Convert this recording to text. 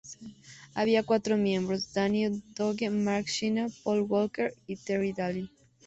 Había cuatro miembros, Danny O'Donoghue, Mark Sheehan, Paul Walker y Terry Daly.